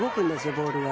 ボールが。